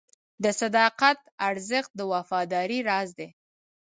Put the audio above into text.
د صداقت ارزښت د وفادارۍ راز دی.